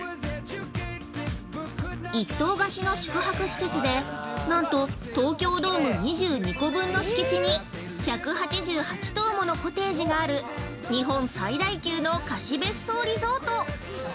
一棟貸しの宿泊施設で、なんと東京ドーム２２個分の敷地に１８８棟ものコテージがある日本最大級の貸別荘リゾート！